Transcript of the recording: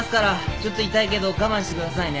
ちょっと痛いけど我慢してくださいね。